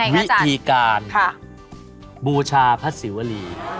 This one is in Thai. วิธีการบูชาพระศิวรี